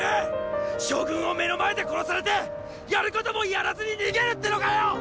将軍を目の前で殺されてやることもやらずに逃げるってのかよ！